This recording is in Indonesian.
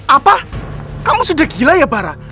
apa kamu sudah gila ya barah